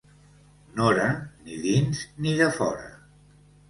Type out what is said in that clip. Nora, ni dins ni defora.